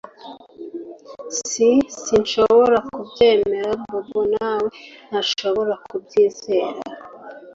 S Sinshobora kubyemera Bobo nawe ntashobora kubyizera